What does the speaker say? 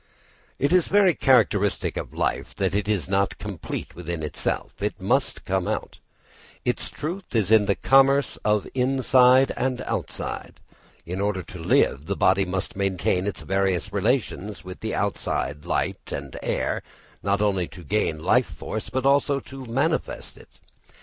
It is very characteristic of life that it is not complete within itself; it must come out. Its truth is in the commerce of the inside and the outside. In order to live, the body must maintain its various relations with the outside light and air not only to gain life force, but also to manifest it.